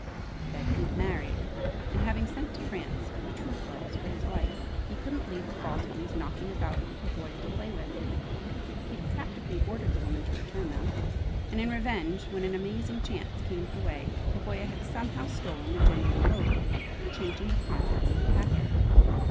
Then, he'd married, and having sent to France for the true pearls for his wife, he couldn't leave the false ones knocking about for Pavoya to play with. He'd practically ordered the woman to return them; and in revenge, when an amazing chance came her way, Pavoya had somehow stolen the genuine rope, changing the contents of the packet!